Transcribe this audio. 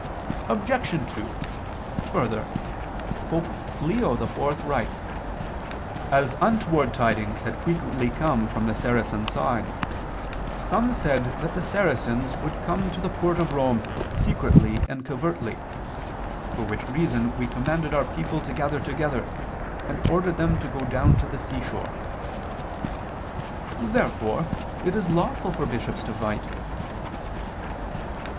Obj. 2: Further, Pope Leo IV writes (xxiii, qu. 8, can. Igitur): "As untoward tidings had frequently come from the Saracen side, some said that the Saracens would come to the port of Rome secretly and covertly; for which reason we commanded our people to gather together, and ordered them to go down to the seashore." Therefore it is lawful for bishops to fight.